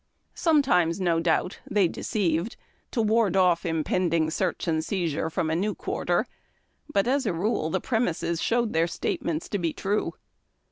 Sometimes, no doubt, they deceived to ward off impending search and seizure from a new quarter, but as a rule the premises showed their statements to be true.